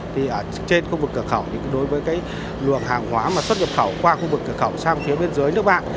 thì ở trên khu vực cửa khẩu thì đối với cái luồng hàng hóa mà xuất nhập khẩu qua khu vực cửa khẩu sang phía bên dưới nước bạn